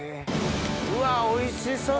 うわおいしそう！